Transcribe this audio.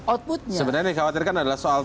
outputnya sebenarnya yang khawatirkan adalah soal